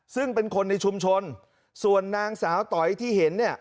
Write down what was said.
ซึ่งเป็นคนในชุมชนส่วนนางสาวต๋อยที่เห็นเนี่ย